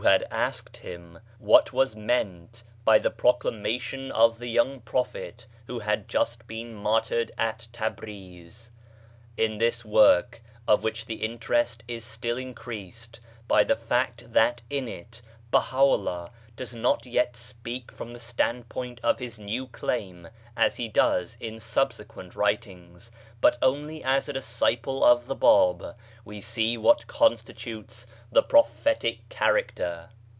1904)1 BAGHDAD 59 what was meant by the proclamation of the young Prophet who had just been martyred at Tabriz. In this work, of which the interest is still increased by the fact that in it Baha'u'llah does not yet speak from the standpoint of his new claim as he does in subsequent writings, but only as a disciple of the Bab, we see what constitutes the prophetic character.